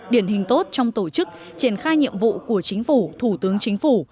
điển hình tốt trong tổ chức triển khai nhiệm vụ của chính phủ thủ tướng chính phủ